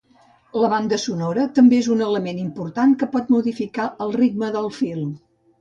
La banda sonora també és un element important que pot modificar el ritme del film.